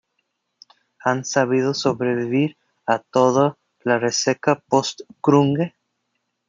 Han sabido sobrevivir a toda la resaca "post-grunge".